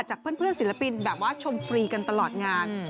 เพื่อนศิลปินแบบว่าชมฟรีกันตลอดงาน